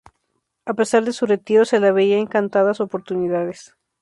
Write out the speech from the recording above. A pesar de su retiro, se la veía en contadas oportunidades.